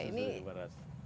susu dari beras